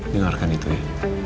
dengarkan itu ya